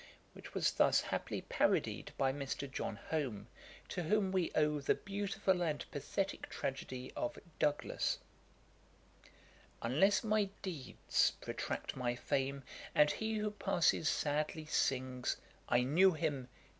Which was thus happily parodied by Mr. John Home, to whom we owe the beautiful and pathetick tragedy of Douglas: 'Unless my deeds protract my fame, And he who passes sadly sings, I knew him!